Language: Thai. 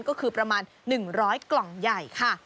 ก็คือประมาณ๑๐๐กล่องใหญ่ค่ะ